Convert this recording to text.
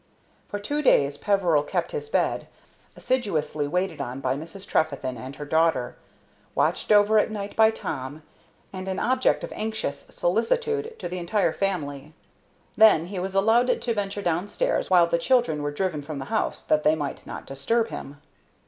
For two days Peveril kept his bed, assiduously waited on by Mrs. Trefethen and her daughter, watched over at night by Tom, and an object of anxious solicitude to the entire family. Then he was allowed to venture down stairs, while the children were driven from the house, that they might not disturb him.